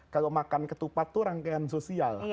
kalau makan ketupat itu rangkaian sosial